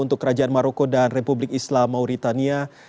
untuk kerajaan maroko dan republik islam mauritania